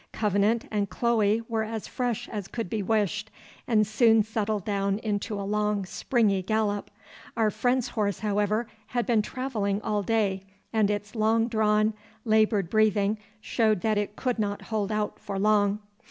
Covenant and Chloe were as fresh as could be wished, and soon settled down into a long springy gallop. Our friend's horse however, had been travelling all day, and its long drawn, laboured breathing showed that it could not hold out for long.